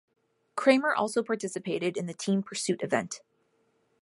Kramer also participated in the team pursuit event.